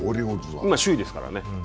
今、首位ですからね。